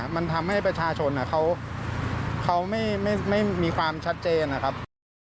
มันทำให้ประชาชนเขาไม่มีความชัดเจนนะครับ